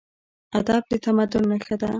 ادب د تمدن نښه ده.